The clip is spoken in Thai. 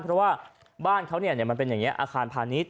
เพราะว่าบ้านเป็นอาคารพานิส